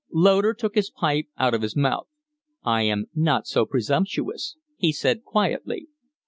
Loder took his pipe out of his mouth. "I am not so presumptuous," he said, quietly.